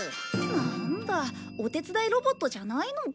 なんだお手伝いロボットじゃないのか。